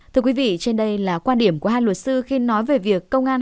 thưa quý vị trên đây là quan điểm của hai luật sư khi nói về việc công an